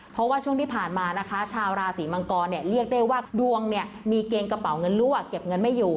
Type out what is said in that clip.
เพราะว่าช่วงที่ผ่านมานะคะชาวราศีมังกรเนี่ยเรียกได้ว่าดวงเนี่ยมีเกณฑ์กระเป๋าเงินรั่วเก็บเงินไม่อยู่